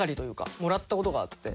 もらった事があって。